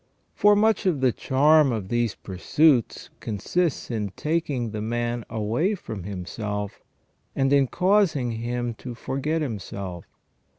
For much of the charm of these pursuits consists in taking the man away from himself, and in causing him to forget himself.